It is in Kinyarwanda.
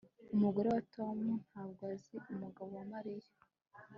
Umugore wa Tom ntabwo azi umugabo wa Mariya